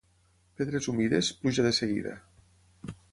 Pedres humides, pluja de seguida.